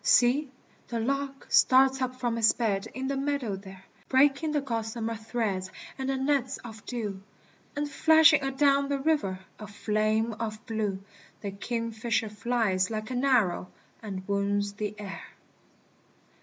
See ! the lark starts up from his bed in the meadow there, Breaking the gossamer threads and the nets of dew, And flashing a down the river, a flame of blue ! The kingfisher flies like an arrow, and wounds the air.